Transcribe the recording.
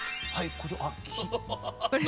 これ。